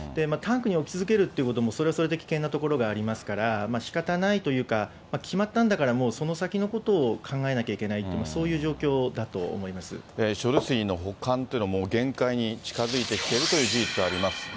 タンクに置き続けるということも、それはそれで危険なところがありますから、しかたないというか、決まったんだから、もうその先のことを考えなきゃいけないというか、そういう状況だ処理水の保管というのは、限界に近づいてきているという事実はあります。